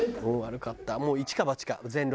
もう一か八か全録。